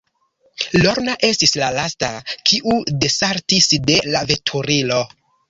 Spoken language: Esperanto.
Lorna estis la lasta, kiu desaltis de la veturilo.